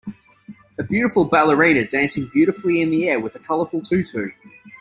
A beautiful ballerina dancing beautifully in the air with a colorful tutu.